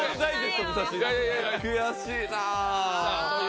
悔しいな。